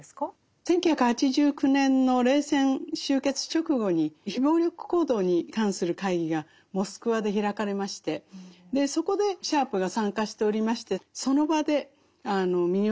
１９８９年の冷戦終結直後に非暴力行動に関する会議がモスクワで開かれましてそこでシャープが参加しておりましてその場でほう。